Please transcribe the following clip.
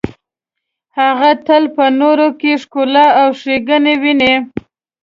هغه تل په نورو کې ښکلا او ښیګڼې ویني.